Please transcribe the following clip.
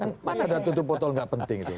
kan mana ada tutup botol nggak penting gitu